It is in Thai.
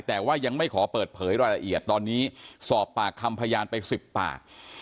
แต่ว่ายังไม่ขอเปิดเผยรายละเอียดตอนนี้สอบปากคำพยานไป๑๐ปาก